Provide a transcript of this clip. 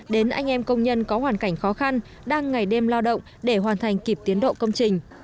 đến anh em công nhân có hoàn cảnh khó khăn đang ngày đêm lao động để hoàn thành kịp tiến độ công trình